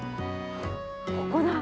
ここだ！